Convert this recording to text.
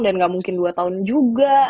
dan gak mungkin dua tahun juga